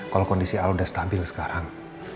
kondisi al udah stabil sekarang